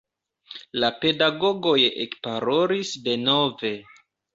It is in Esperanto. La pedagogoj ekparolis denove.